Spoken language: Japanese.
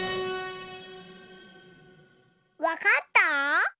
わかった？